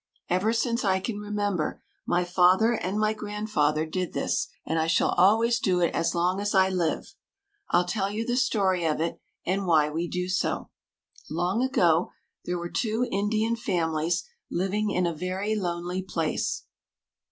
Ever since I can remember, my father and my grandfather did this, and I shall always do it as long as I live. I'll tell you the story of it and why we do so. "Long time ago there were two Indian families living in a very lonely place.